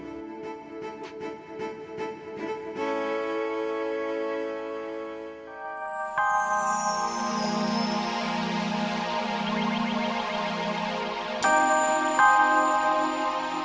kamu bisa mencoba